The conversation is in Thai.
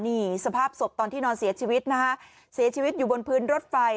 นี่สภาพศพตอนที่นอนเสียชีวิตนะคะเสียชีวิตอยู่บนพื้นรถไฟ